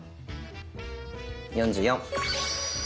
４４！